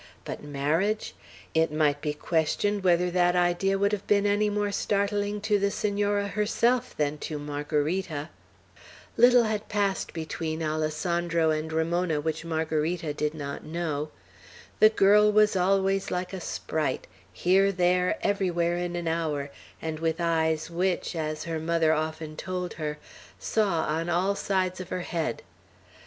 But marriage! It might be questioned whether that idea would have been any more startling to the Senora herself than to Margarita. Little had passed between Alessandro and Ramona which Margarita did not know. The girl was always like a sprite, here, there, everywhere, in an hour, and with eyes which, as her mother often told her, saw on all sides of her head.